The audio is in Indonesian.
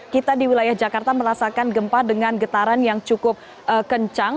kita di wilayah jakarta merasakan gempa dengan getaran yang cukup kencang